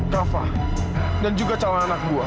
rafa dan juga calon anak gue